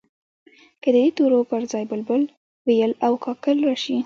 که د دې تورو پر ځای بلبل، وېل او کاکل راشي.